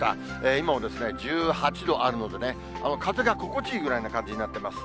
今も１８度あるのでね、風が心地いいぐらいの感じになってます。